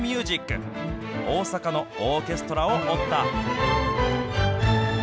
大阪のオーケストラを追った。